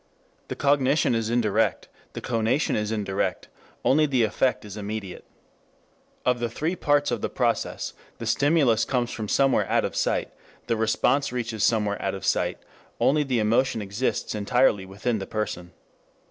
The cognition is indirect, the conation is indirect, only the effect is immediate. Of the three parts of the process, the stimulus comes from somewhere out of sight, the response reaches somewhere out of sight, only the emotion exists entirely within the person.